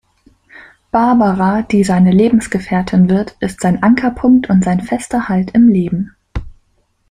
Barbara, die seine Lebensgefährtin wird, ist sein Ankerpunkt und fester Halt im Leben.